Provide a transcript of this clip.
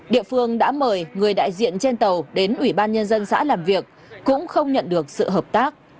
địa phương đã mời người đại diện trên tàu đến ủy ban nhân dân xã làm việc cũng không nhận được sự hợp tác